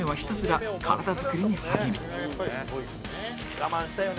「我慢したよね」